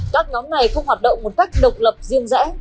các nhóm này không hoạt động một cách độc lập riêng rẽ